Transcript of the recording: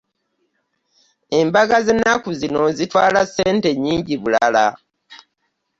Embaga z'ennaku zino zitwala ssente nnyingi bulala!